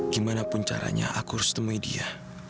gimanapun caranya aku harus temui dia